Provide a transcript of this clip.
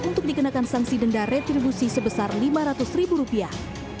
untuk dikenakan sanksi denda retribusi sebesar lima ratus ribu rupiah